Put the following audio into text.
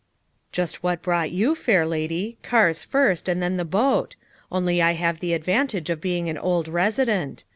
"Just what brought you, fair lady, cars first and then the boat; only I have the advantage of being an old resident.